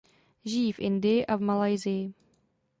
Žijí v Indii a v Malajsii.